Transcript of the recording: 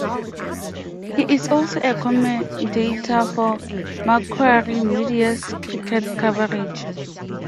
He is also a commentator for Macquarie Media's cricket coverage.